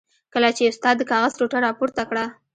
کله چې استاد د کاغذ ټوټه را پورته کړه.